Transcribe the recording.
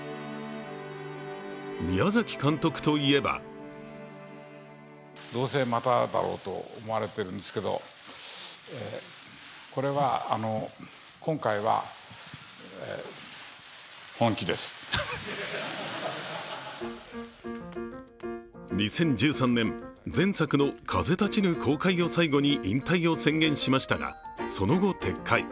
宮崎監督といえば２０１３年、前作の「風立ちぬ」公開を最後に引退を宣言しましたが、その後撤回。